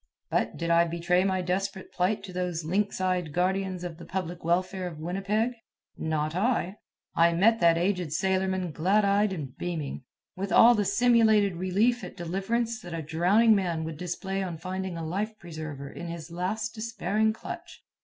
But did I betray my desperate plight to those lynx eyed guardians of the public welfare of Winnipeg? Not I. I met that aged sailorman glad eyed and beaming, with all the simulated relief at deliverance that a drowning man would display on finding a life preserver in his last despairing clutch.